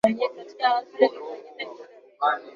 katika hafla iliyofanyika Ikulu ya Nairobi